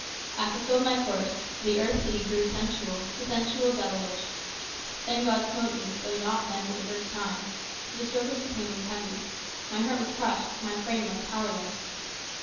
I fulfilled my course, the earthly grew sensual, the sensual grew devilish. And then God smote me, though not then for the first time. The stroke of his hand was heavy. My heart was crushed, my frame left powerless."